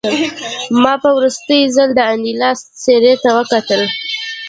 ما په وروستي ځل د انیلا څېرې ته وکتل